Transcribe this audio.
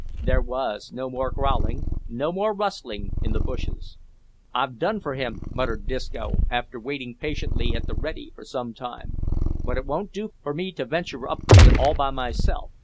There was no more growling; no more rustling in the bushes. "I've done for him," muttered Disco, after waiting patiently at the "ready" for some time. "But it won't do for me to ventur' up to it all by myself.